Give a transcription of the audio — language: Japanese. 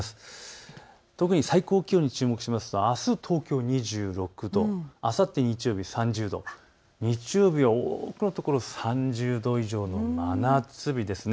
最高気温に注目するとあすは東京２６度、あさって日曜日は３０度、日曜日は多くの所、３０度以上の真夏日です。